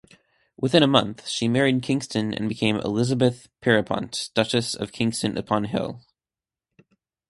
Within a month, she married Kingston and became Elizabeth Pierrepont, Duchess of Kingston-upon-Hull.